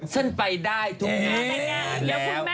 ฉันไปได้ทุกงานแล้ว